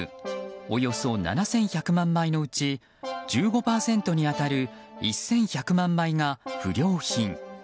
およそ７１００万枚のうち１５％に当たる１１００万枚が不良品。